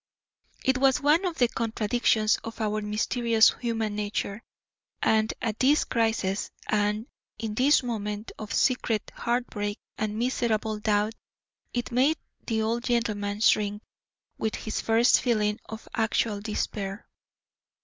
It was one of the contradictions of our mysterious human nature, and at this crisis and in this moment of secret heart break and miserable doubt it made the old gentleman shrink, with his first feeling of actual despair.